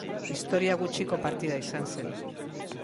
Historia gutxiko partida izan zen.